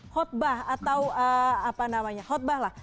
khutbah atau apa namanya khutbah lah